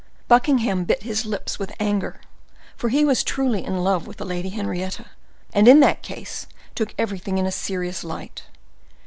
Buckingham bit his lips with anger, for he was truly in love with the Lady Henrietta, and, in that case, took everything in a serious light.